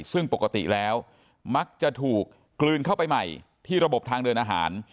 ซึ่งปกติแล้วมักจะถูกกลืนเข้าไปใหม่ที่ระบบทางเดินอาหาร